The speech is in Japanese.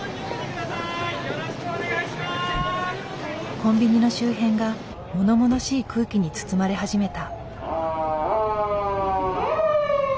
コンビニの周辺がものものしい空気に包まれ始めた。